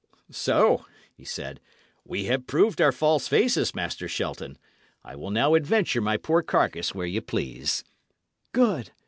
"So," he said, "we have proved our false faces, Master Shelton. I will now adventure my poor carcase where ye please." "Good!"